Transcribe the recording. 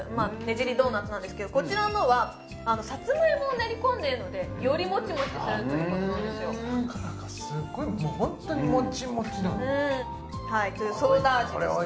じりドーナツなんですけどこちらのはさつまいもを練り込んでいるのでよりモチモチするということなんですよだからかすっごいホントにモチモチなのはいというソーダ味でした